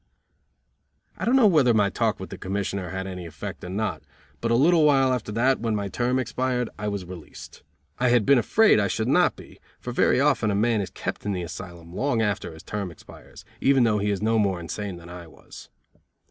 I don't know whether my talk with the Commissioner had any effect or not, but a little while after that, when my term expired, I was released. I had been afraid I should not be, for very often a man is kept in the asylum long after his term expires, even though he is no more insane than I was.